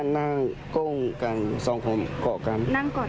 นั่งกอดกันสองคนข้างในห้องนอน